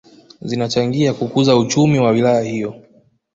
Zinachangia kukuza uchumi wa wilaya hiyo